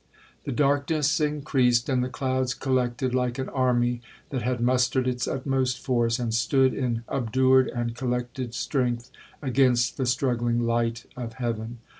'The darkness increased, and the clouds collected like an army that had mustered its utmost force, and stood in obdured and collected strength against the struggling light of heaven.